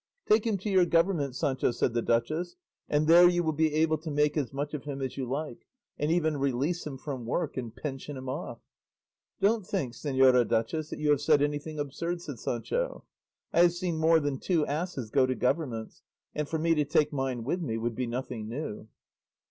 "Take him to your government, Sancho," said the duchess, "and there you will be able to make as much of him as you like, and even release him from work and pension him off." "Don't think, señora duchess, that you have said anything absurd," said Sancho; "I have seen more than two asses go to governments, and for me to take mine with me would be nothing new."